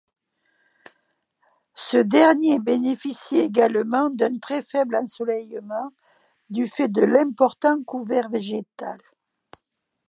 Ce dernier bénéficie également d'un très faible ensoleillement du fait de l'important couvert végétal.